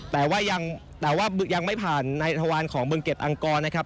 แต่ว่ายังไม่ผ่านในทะวันของเบิร์งเก็ตอังกฎนะครับ